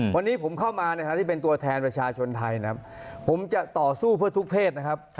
วันนี้ผมเข้ามานะครับที่เป็นตัวแทนประชาชนไทยนะครับผมจะต่อสู้เพื่อทุกเพศนะครับ